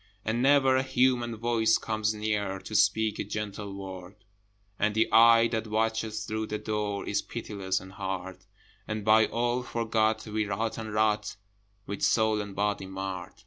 And never a human voice comes near To speak a gentle word: And the eye that watches through the door Is pitiless and hard: And by all forgot, we rot and rot, With soul and body marred.